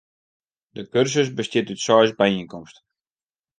De kursus bestiet út seis byienkomsten.